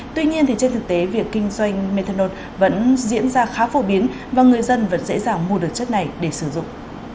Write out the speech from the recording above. tuy nhiên trên thực tế việc kinh doanh methanol vẫn diễn ra khá phổ biến và người dân vẫn dễ dàng mua được chất này để sử dụng